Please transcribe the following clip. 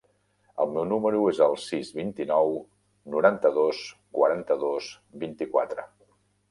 El meu número es el sis, vint-i-nou, noranta-dos, quaranta-dos, vint-i-quatre.